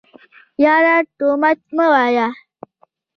يره تومت مه وايه.